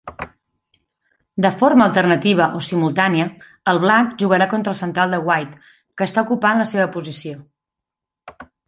De forma alternativa o simultània, el Black jugarà contra el central de White, que està ocupant la seva posició.